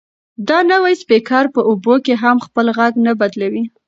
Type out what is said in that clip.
دا نوی سپیکر په اوبو کې هم خپل غږ نه بدلوي.